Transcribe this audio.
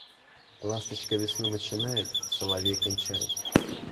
Ласточка весну начинает, соловей кончает.